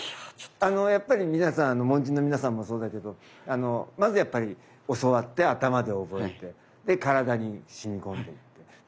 やっぱり皆さん門人の皆さんもそうだけどまずやっぱり教わって頭で覚えてで体に染み込んでいって。